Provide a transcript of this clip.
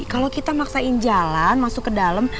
kalau kita maksain jalan masuk ke dalam